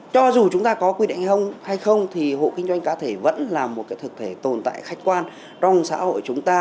cho dù chúng ta có quy định hay không hay không thì hộ kinh doanh cá thể vẫn là một cái thực thể tồn tại khách quan trong xã hội chúng ta